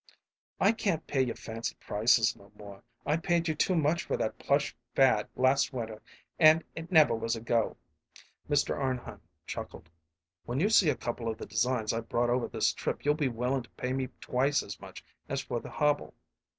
"I can't pay your fancy prices no more. I paid you too much for that plush fad last winter, and it never was a go." Mr. Arnheim chuckled. "When you see a couple of the designs I brought over this trip you'll be willin' to pay me twice as much as for the hobble.